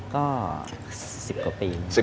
ก็๑๐กว่าปี